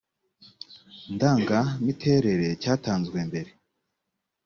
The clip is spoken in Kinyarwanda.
ndangamiterere cyatanzwe mbere